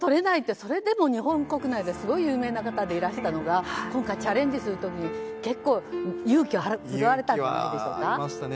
それでも日本国内ですごい有名な方でいらしたのが今回、チャレンジする時に結構、勇気を勇気はいりましたね。